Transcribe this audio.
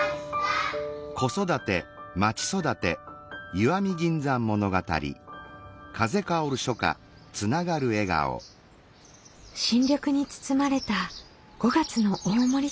新緑に包まれた５月の大森町。